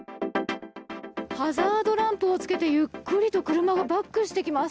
ハザードランプをつけてゆっくりと車がバックしてきます。